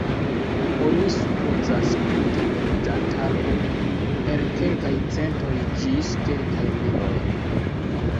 Oni supozas tutan loĝantaron el kelkaj centoj ĝis kelkaj miloj.